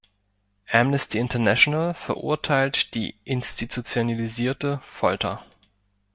Amnesty International verurteilt die institutionalisierte Folter.